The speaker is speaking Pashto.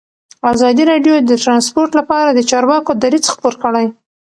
ازادي راډیو د ترانسپورټ لپاره د چارواکو دریځ خپور کړی.